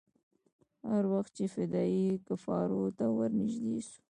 هر وخت چې فدايي کفارو ته ورنژدې سو.